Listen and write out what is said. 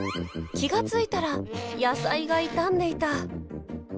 気が付いたら野菜が傷んでいた。